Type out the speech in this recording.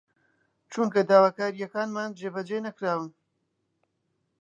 چونکە داواکارییەکانمان جێبەجێ نەکراون